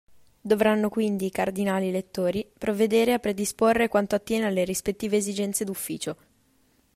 Dovranno quindi i Cardinali elettori provvedere a predisporre quanto attiene alle rispettive esigenze d'ufficio.